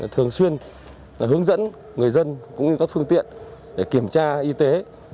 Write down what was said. thường xuyên hướng dẫn người dân cũng như các phương tiện để kiểm tra y tế